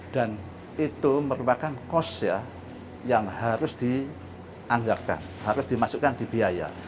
dan itu merupakan kos ya yang harus dianggarkan harus dimasukkan di biaya